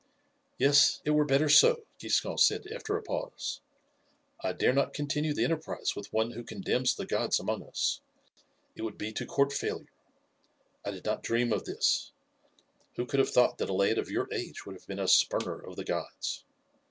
"Yes, it were better so," Giscon said after a pause; "I dare not continue the enterprise with one who condemns the gods among us; it would be to court failure. I did not dream of this; who could have thought that a lad of your age would have been a spurner of the gods?"